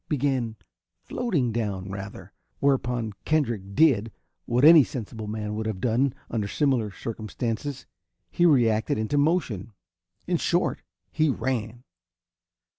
Began floating down, rather. Whereupon Kendrick did what any sensible man would have done, under similar circumstances. He reacted into motion. In short, he ran.